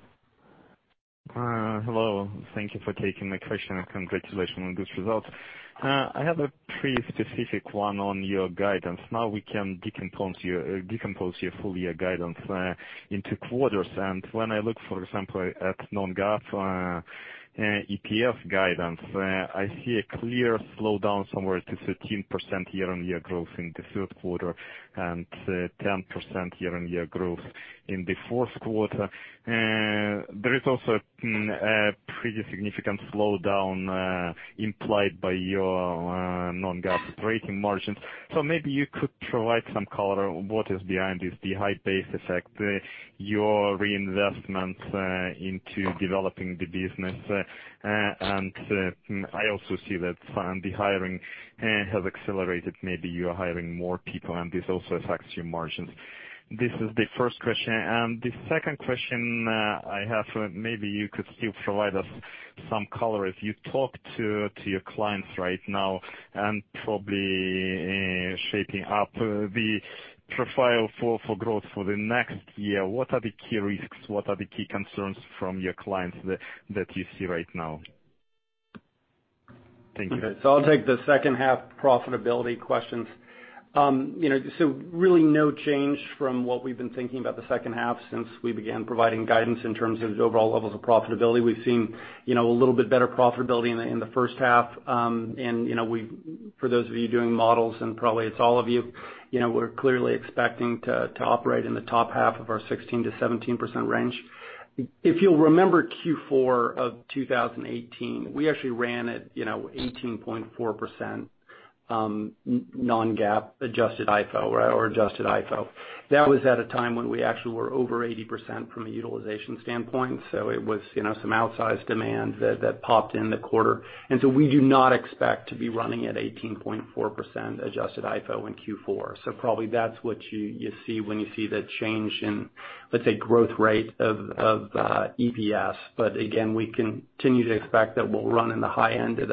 Hello. Thank you for taking my question, congratulations on this result. I have a pretty specific one on your guidance. We can decompose your full year guidance into quarters. When I look, for example, at non-GAAP EPS guidance, I see a clear slowdown somewhere to 13% year-on-year growth in the third quarter and 10% year-on-year growth in the fourth quarter. There is also a pretty significant slowdown implied by your non-GAAP operating margins. Maybe you could provide some color on what is behind this, the high base effect, your reinvestments into developing the business. I also see that the hiring has accelerated. Maybe you are hiring more people, and this also affects your margins. This is the first question. The second question I have, maybe you could still provide us some color. If you talk to your clients right now and probably shaping up the profile for growth for the next year, what are the key risks? What are the key concerns from your clients that you see right now? Thank you. Okay. I'll take the second half profitability questions. Really no change from what we've been thinking about the second half since we began providing guidance in terms of overall levels of profitability. We've seen a little bit better profitability in the first half. For those of you doing models, and probably it's all of you, we're clearly expecting to operate in the top half of our 16%-17% range. If you'll remember Q4 of 2018, we actually ran at 18.4%, non-GAAP adjusted IFO. That was at a time when we actually were over 80% from a utilization standpoint. It was some outsized demand that popped in the quarter. We do not expect to be running at 18.4% adjusted IFO in Q4. Probably that's what you see when you see the change in, let's say, growth rate of EPS. Again, we continue to expect that we'll run in the high end of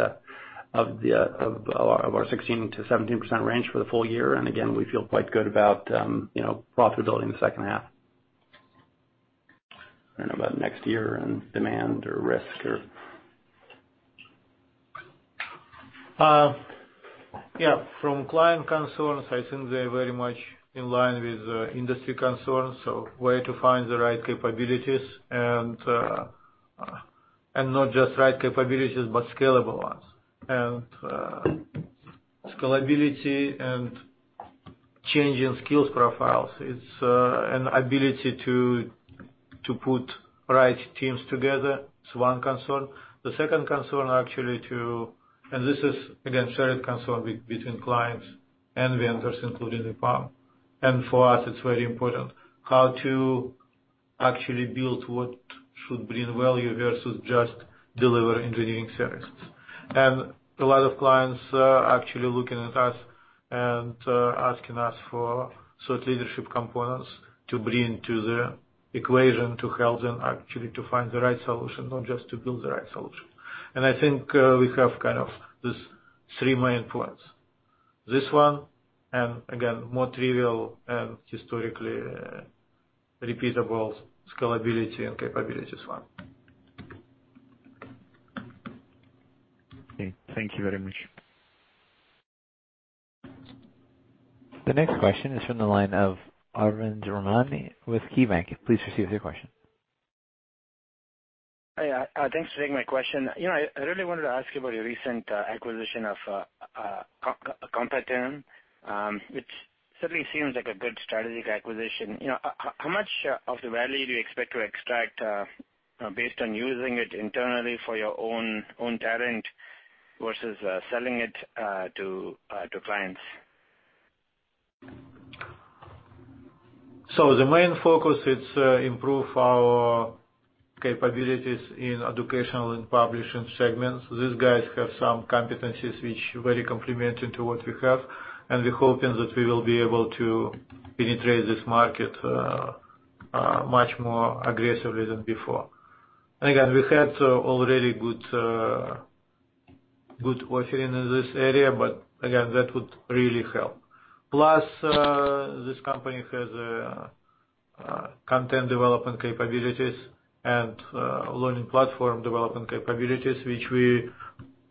our 16%-17% range for the full year. Again, we feel quite good about profitability in the second half. I don't know about next year on demand or risk or. Yeah. From client concerns, I think they're very much in line with industry concerns. Way to find the right capabilities, and not just right capabilities, but scalable ones. Scalability and change in skills profiles. It's an ability to put right teams together. It's one concern. The second concern actually. This is again, shared concern between clients and vendors, including EPAM. For us, it's very important how to actually build what should bring value versus just deliver engineering services. A lot of clients are actually looking at us and asking us for such leadership components to bring to the equation to help them actually to find the right solution, not just to build the right solution. I think we have kind of these three main points. This one, and again, more trivial and historically repeatable scalability and capabilities one. Okay. Thank you very much. The next question is from the line of Arvind Ramnani with KeyBanc. Please proceed with your question. Hi. Thanks for taking my question. I really wanted to ask you about your recent acquisition of Competentum, which certainly seems like a good strategic acquisition. How much of the value do you expect to extract based on using it internally for your own talent versus selling it to clients? The main focus is to improve our capabilities in educational and publishing segments. These guys have some competencies which very complementary to what we have, and we're hoping that we will be able to penetrate this market much more aggressively than before. We had already good offering in this area, but again, that would really help. This company has content development capabilities and learning platform development capabilities, which we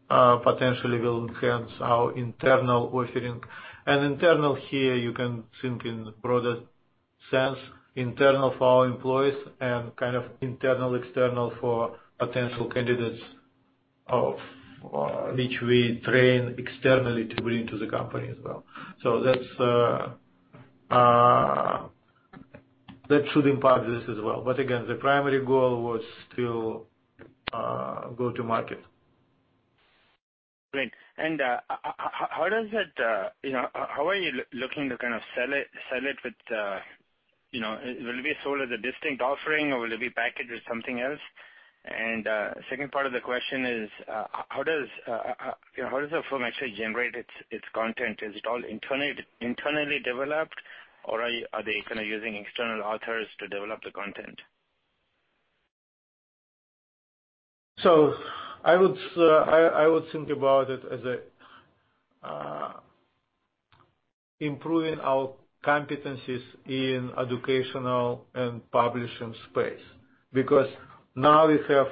potentially will enhance our internal offering. Internal here, you can think in the broader sense, internal for our employees and internal-external for potential candidates of which we train externally to bring to the company as well. That should impact this as well. Again, the primary goal was to go to market. Great. How are you looking to sell it? Will it be sold as a distinct offering, or will it be packaged with something else? Second part of the question is, how does the firm actually generate its content? Is it all internally developed, or are they using external authors to develop the content? I would think about it as improving our competencies in educational and publishing space. Because now we have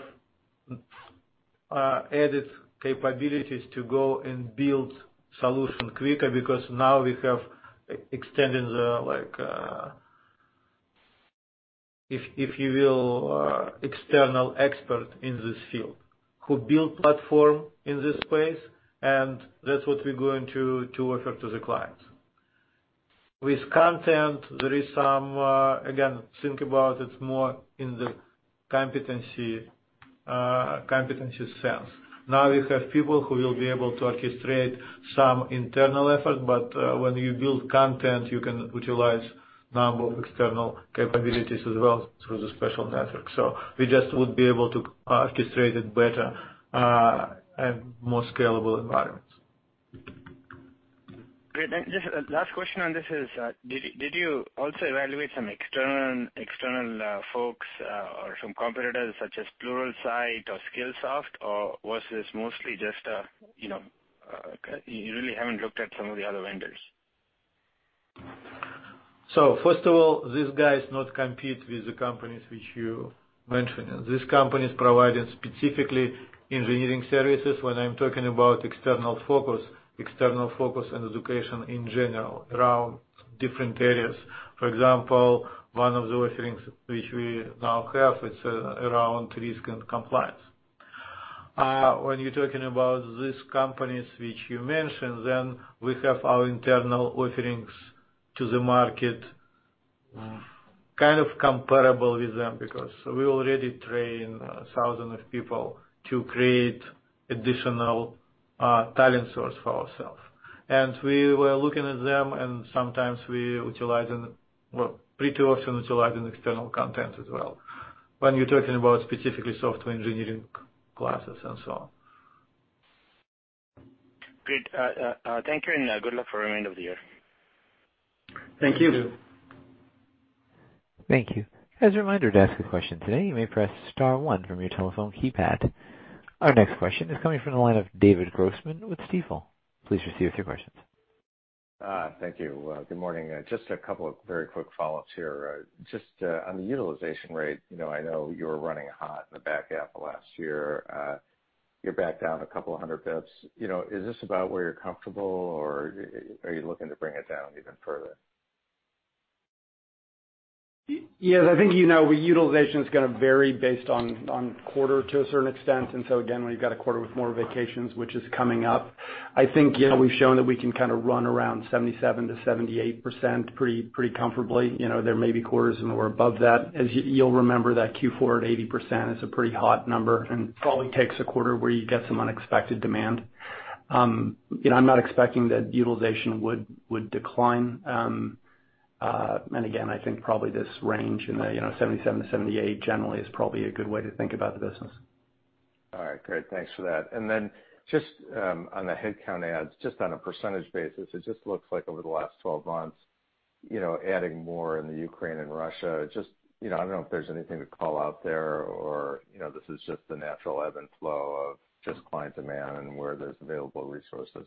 added capabilities to go and build solution quicker because now we have extended the, if you will, external expert in this field who build platform in this space, and that's what we're going to offer to the clients. With content, again, think about it more in the competency sense. Now we have people who will be able to orchestrate some internal effort, but when you build content, you can utilize number of external capabilities as well through the special network. We just would be able to orchestrate it better and more scalable environments. Great. Just last question on this is, did you also evaluate some external folks or some competitors such as Pluralsight or Skillsoft, or was this mostly just you really haven't looked at some of the other vendors? First of all, these guys not compete with the companies which you mentioned. This company is providing specifically engineering services. When I'm talking about external focus, external focus and education in general around different areas. For example, one of the offerings which we now have is around risk and compliance. When you're talking about these companies which you mentioned, then we have our internal offerings to the market, kind of comparable with them because we already train thousands of people to create additional talent source for ourself. We were looking at them and sometimes we utilize, well, pretty often utilizing external content as well. When you're talking about specifically software engineering classes and so on. Great. Thank you, and good luck for the remainder of the year. Thank you. Thank you. As a reminder to ask a question today, you may press star one from your telephone keypad. Our next question is coming from the line of David Grossman with Stifel. Please proceed with your questions. Thank you. Good morning. A couple of very quick follow-ups here. On the utilization rate, I know you were running hot in the back half of last year. You're back down a couple of hundred basis points. Is this about where you're comfortable, or are you looking to bring it down even further? Yes, I think you know utilization is going to vary based on quarter to a certain extent. Again, when you've got a quarter with more vacations, which is coming up, I think we've shown that we can run around 77%-78% pretty comfortably. There may be quarters in or above that. As you'll remember that Q4 at 80% is a pretty hot number, and it probably takes a quarter where you get some unexpected demand. I'm not expecting that utilization would decline. Again, I think probably this range in the 77%-78% generally is probably a good way to think about the business. All right, great. Thanks for that. Then just on the headcount adds, just on a percentage basis, it just looks like over the last 12 months, adding more in Ukraine and Russia. I don't know if there's anything to call out there, or this is just the natural ebb and flow of just client demand and where there's available resources.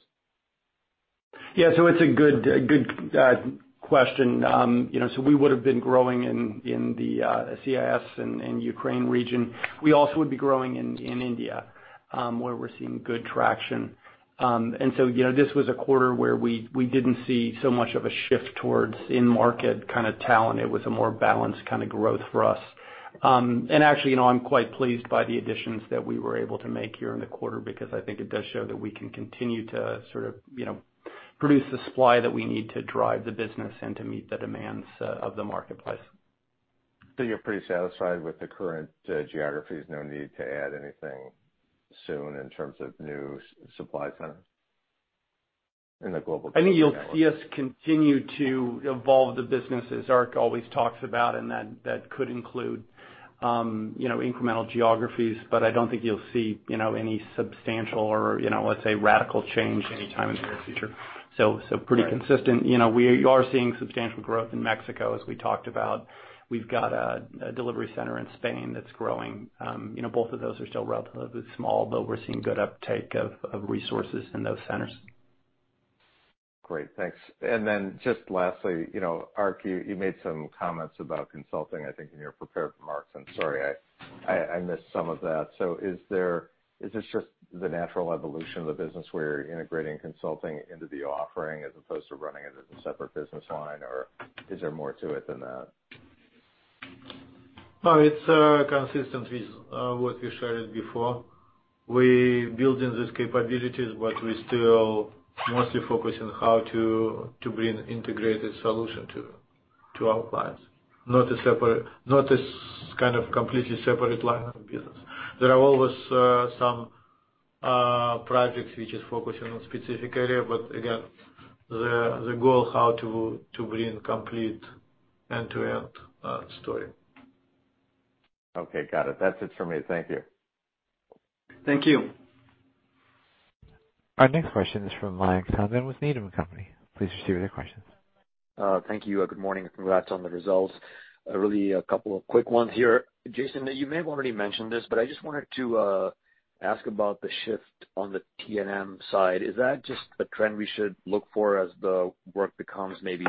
Yeah, it's a good question. We would've been growing in the CIS and Ukraine region. We also would be growing in India, where we're seeing good traction. This was a quarter where we didn't see so much of a shift towards in-market kind of talent. It was a more balanced kind of growth for us. Actually, I'm quite pleased by the additions that we were able to make here in the quarter because I think it does show that we can continue to sort of produce the supply that we need to drive the business and to meet the demands of the marketplace. You're pretty satisfied with the current geographies, no need to add anything soon in terms of new supply centers in the global network? I think you'll see us continue to evolve the business as Ark always talks about, and that could include incremental geographies. I don't think you'll see any substantial or, let's say, radical change anytime in the near future. Pretty consistent. We are seeing substantial growth in Mexico, as we talked about. We've got a delivery center in Spain that's growing. Both of those are still relatively small, but we're seeing good uptake of resources in those centers. Great. Thanks. Then just lastly, Ark, you made some comments about consulting, I think, in your prepared remarks, sorry, I missed some of that. Is this just the natural evolution of the business where you're integrating consulting into the offering as opposed to running it as a separate business line, or is there more to it than that? No, it's consistent with what we shared before. We're building these capabilities, but we still mostly focus on how to bring integrated solution to our clients, not as kind of completely separate line of business. There are always some projects which is focusing on specific area, but again, the goal how to bring complete end-to-end story. Okay, got it. That's it for me. Thank you. Thank you. Our next question is from Mayank Tandon with Needham & Company. Please proceed with your questions. Thank you. Good morning. Congrats on the results. Really a couple of quick ones here. Jason, you may have already mentioned this, but I just wanted to ask about the shift on the T&M side. Is that just a trend we should look for as the work becomes maybe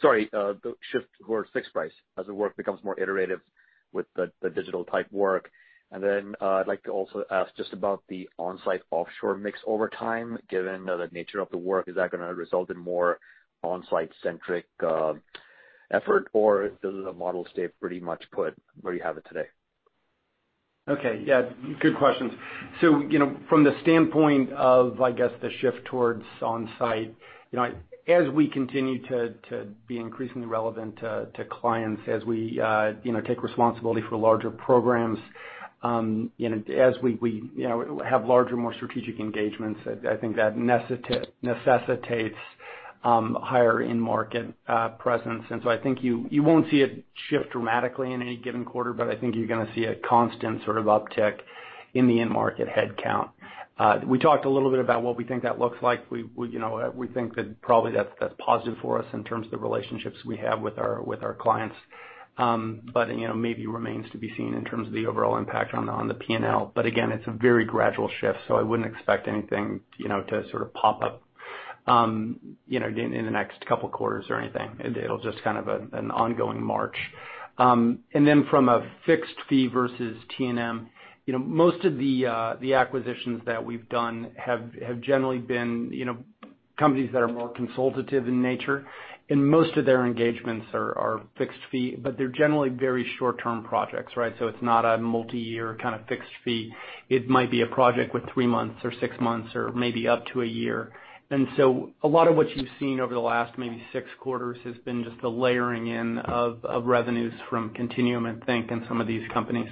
sorry, the shift towards fixed price as the work becomes more iterative with the digital type work? I'd like to also ask just about the onsite/offshore mix over time, given the nature of the work. Is that gonna result in more onsite-centric effort, or does the model stay pretty much put where you have it today? Okay. Yeah, good questions. From the standpoint of the shift towards onsite, as we continue to be increasingly relevant to clients, as we take responsibility for larger programs, as we have larger, more strategic engagements, I think that necessitates higher in-market presence. I think you won't see it shift dramatically in any given quarter, but I think you're gonna see a constant sort of uptick in the in-market headcount. We talked a little bit about what we think that looks like. We think that probably that's positive for us in terms of the relationships we have with our clients. Maybe remains to be seen in terms of the overall impact on the P&L. Again, it's a very gradual shift, so I wouldn't expect anything to sort of pop up in the next couple of quarters or anything. It'll just kind of an ongoing march. From a fixed fee versus T&M, most of the acquisitions that we've done have generally been companies that are more consultative in nature, and most of their engagements are fixed fee, but they're generally very short-term projects, right? It's not a multi-year kind of fixed fee. It might be a project with three months or six months or maybe up to a year. A lot of what you've seen over the last maybe six quarters has been just the layering in of revenues from Continuum and TH_NK and some of these companies.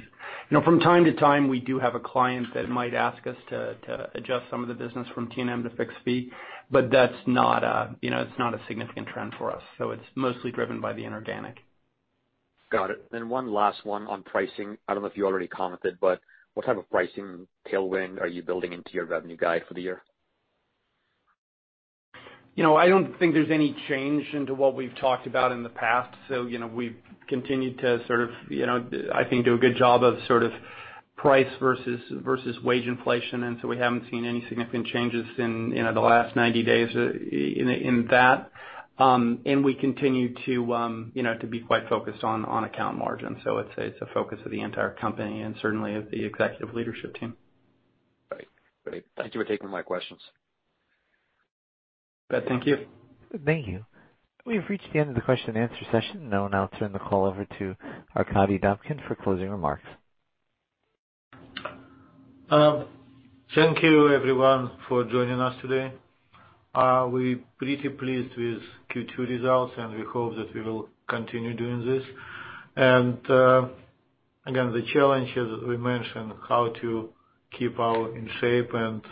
From time to time, we do have a client that might ask us to adjust some of the business from T&M to fixed fee, but that's not a significant trend for us. It's mostly driven by the inorganic. Got it. One last one on pricing. I don't know if you already commented, but what type of pricing tailwind are you building into your revenue guide for the year? I don't think there's any change into what we've talked about in the past. We've continued to sort of, I think, do a good job of sort of price versus wage inflation. We haven't seen any significant changes in the last 90 days in that. We continue to be quite focused on account margin. It's a focus of the entire company and certainly of the executive leadership team. Great. Thank you for taking my questions. Bet, thank you. Thank you. We have reached the end of the question and answer session. Now I'll turn the call over to Arkadiy Dobkin for closing remarks. Thank you everyone for joining us today. We're pretty pleased with Q2 results. We hope that we will continue doing this. Again, the challenge is, we mentioned how to keep ourselves in shape and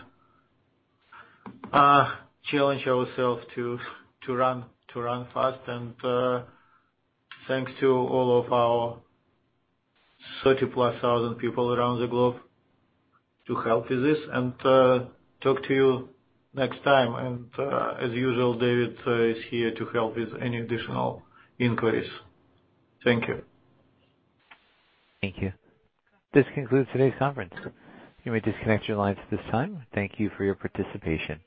challenge ourselves to run fast. Thanks to all of our 30-plus thousand people around the globe to help with this. Talk to you next time. As usual, David is here to help with any additional inquiries. Thank you. Thank you. This concludes today's conference. You may disconnect your lines at this time. Thank you for your participation.